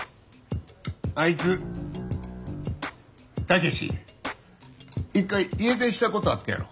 あいつ武志一回家出したことあったやろ。